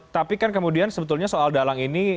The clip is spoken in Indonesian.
tapi kan kemudian sebetulnya soal dalang ini